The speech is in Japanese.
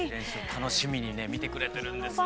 楽しみにね見てくれてるんですよ。